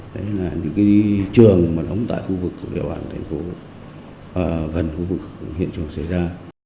đấy là những trường mà đóng tại khu vực địa bàn thành phố gần khu vực hiện trường xảy ra